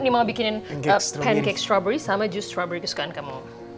nih mau bikinin pancake strawberry sama juice strawberry kesukaan kamu